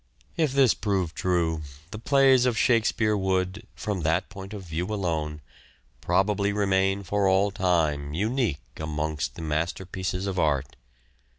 If this proved true, the plays of Shakespeare would, from that point of view alone, probably remain for all time unique amongst the masterpieces of art.